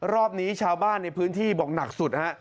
รอบนี้ชาวบ้านในพื้นที่บอกหนักสุดฮะ